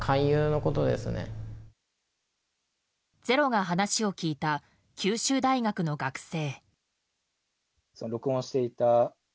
「ｚｅｒｏ」が話を聞いた九州大学の学生。